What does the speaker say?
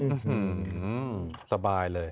อื้อหือสบายเลย